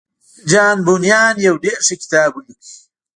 جان بونيان يو ډېر ښه کتاب وليکه.